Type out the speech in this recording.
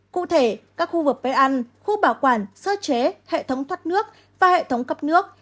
cụ thể các khu vực bếp ăn khu bảo quản sơ chế hệ thống thoát nước và hệ thống cấp nước